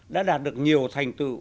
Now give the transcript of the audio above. đã đạt được nhiều thành tựu